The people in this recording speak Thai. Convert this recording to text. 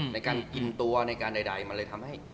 ในการกินตัวในการใดมันเลยทำให้